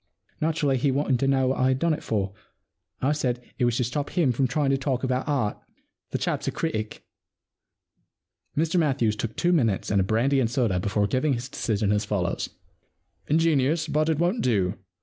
Naturally he wanted to know what I had done it for, and I said it was to stop him from trying to talk about art — the cliap's a critic' Mr Matthews took two minutes and a brandy and soda before giving his decision as follows :—* Ingenious, but it won't do.